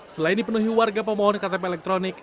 selain dipenuhi warga pemohon ktp elektronik